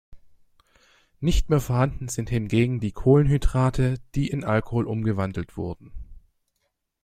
Nicht mehr vorhanden sind hingegen die Kohlenhydrate, die in Alkohol umgewandelt wurden.